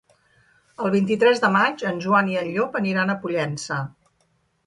El vint-i-tres de maig en Joan i en Llop aniran a Pollença.